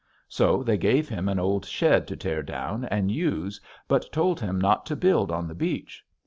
So they gave him an old shed to tear down and use but told him not to build on the beach.